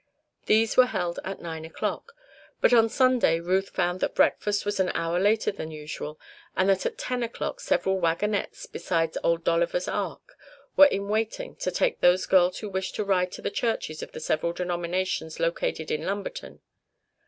These were held at nine o'clock. But on Sunday Ruth found that breakfast was an hour later than usual and that at ten o'clock several wagonettes, besides Old Dolliver's Ark, were in waiting to take those girls who wished to ride to the churches of the several denominations located in Lumberton.